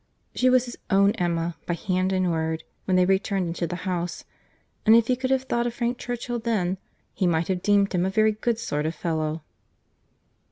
—She was his own Emma, by hand and word, when they returned into the house; and if he could have thought of Frank Churchill then, he might have deemed him a very good sort of fellow.